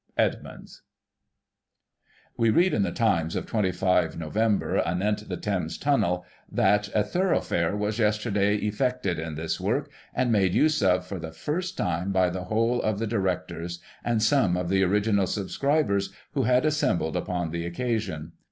" Edmunds.'* We read in the Times of 25 Nov., anent the Thames Tunnel, that " a thoroughfare was, yesterday, effected in this work, and made use of, for the first time, by the whole of the direc tors, and some of the original subscribers, who had assembled upon the occasion.